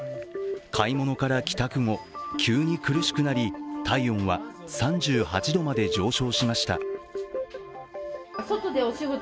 買い物から帰宅後、急に苦しくなり体温は３８度まで上昇しました。